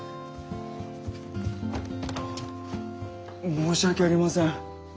申し訳ありません。